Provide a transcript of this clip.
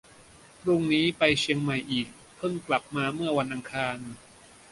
พรุ่งนี้ไปเชียงใหม่อีก เพิ่งกลับมาเมื่อวันอังคาร